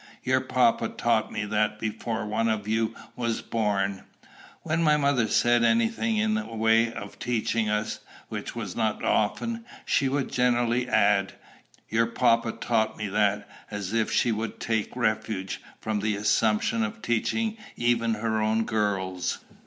Your papa taught me that before one of you was born." When my mother said any thing in the way of teaching us, which was not often, she would generally add, "Your papa taught me that," as if she would take refuge from the assumption of teaching even her own girls.